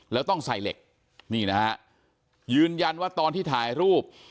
แล้วต้องใส่เหล็กนี่นะฮะยืนยันว่าตอนที่ถ่ายรูป